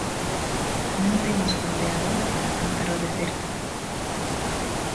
Non temos comida abonda para afrontar o deserto.